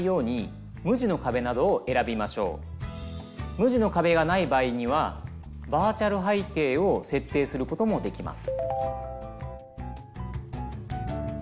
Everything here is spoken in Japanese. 無地のかべがない場合にはバーチャル背景を設定することもできます。